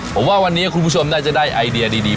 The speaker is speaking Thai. ผมว่าวันนี้คุณผู้ชมน่าจะได้ไอเดียดี